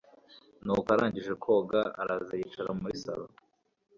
nuko arangije koga araza ahita yicara muri sallon